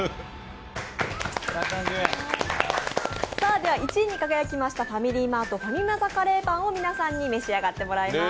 では、１位に輝きましたファミリーマート、ファミマ・ザ・カレーパンを皆さんに召し上がってもらいます。